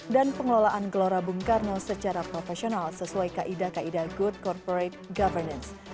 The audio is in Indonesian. dan pengelolaan gelora bung karno secara profesional sesuai kaida kaida good corporate governance